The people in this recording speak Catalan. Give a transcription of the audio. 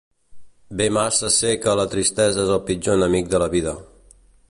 Bé massa sé que la tristesa és el pitjor enemic de la vida.